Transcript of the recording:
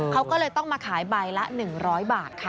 เขาก็เลยต้องมาขายใบละ๑๐๐บาทค่ะ